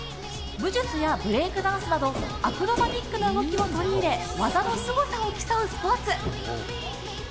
武術やブレークダンスなど、アクロバティックな動きも取り入れ技のすごさを競うスポーツ。